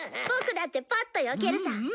ボクだってパッとよけるさ！